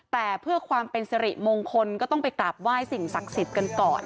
แต่เพื่อความเป็นสิริมงคลก็ต้องไปกราบไหว้สิ่งศักดิ์สิทธิ์กันก่อน